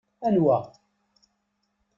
Anwa?